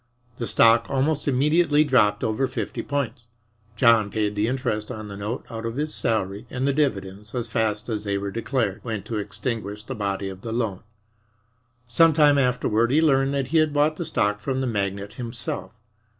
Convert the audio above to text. The stock almost immediately dropped over fifty points. John paid the interest on the note out of his salary, and the dividends, as fast as they were declared, went to extinguish the body of the loan. Some time afterward he learned that he had bought the stock from the magnate himself.